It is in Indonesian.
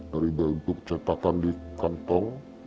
dari bentuk cetakan di kantong